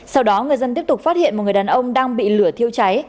sau đó người dân tiếp tục phát hiện một người đàn ông đang bị lửa thiêu cháy